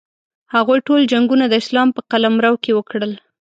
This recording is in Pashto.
هغوی ټول جنګونه د اسلام په قلمرو کې وکړل.